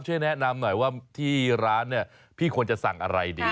ช่วยแนะนำหน่อยว่าที่ร้านเนี่ยพี่ควรจะสั่งอะไรดี